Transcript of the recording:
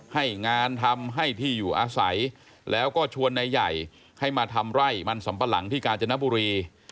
ให้งานทำให้ที่อยู่อาศัยแล้วก็ชวนนายใหญ่ให้มาทำไร่มันสำปะหลังที่กาญจนบุรี